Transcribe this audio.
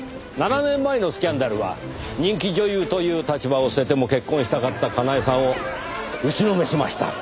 ７年前のスキャンダルは人気女優という立場を捨てても結婚したかったかなえさんを打ちのめしました。